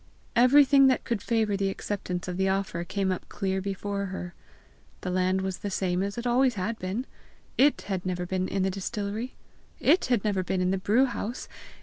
Everything that could favour the acceptance of the offer came up clear before her. The land was the same as it always had been! it had never been in the distillery! it had never been in the brew house!